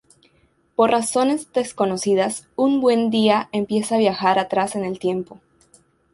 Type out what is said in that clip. Por razones desconocidas, un buen día empieza a viajar atrás en el tiempo.